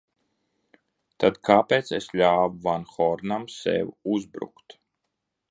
Tad kāpēc es ļāvu van Hornam sev uzbrukt?